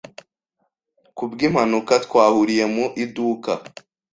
Ku bw'impanuka twahuriye mu iduka.